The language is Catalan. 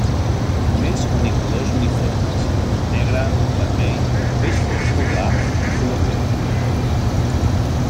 Només unicolors uniformes: negre, vermell, beix fosc o clar, o color crema.